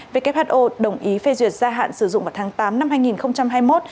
who đồng ý phê duyệt gia hạn sử dụng vào tháng tám năm hai nghìn hai mươi một